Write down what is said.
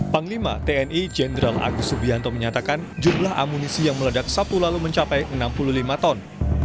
panglima tni jenderal agus subianto menyatakan jumlah amunisi yang meledak sabtu lalu mencapai enam puluh lima ton